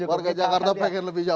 warga jakarta pengen lebih jauh